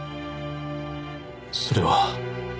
それは。